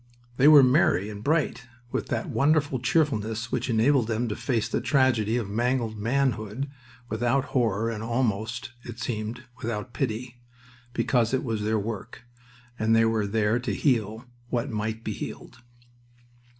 They were merry and bright with that wonderful cheerfulness which enabled them to face the tragedy of mangled manhood without horror, and almost, it seemed, without pity, because it was their work, and they were there to heal what might be healed.